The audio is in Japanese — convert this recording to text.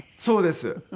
そうです。